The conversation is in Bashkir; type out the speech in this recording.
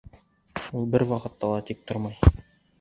Ул бер ваҡытта ла тик тормай.